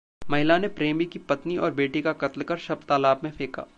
महिला ने प्रेमी की पत्नी और बेटी का कत्ल कर शव तालाब में फेंका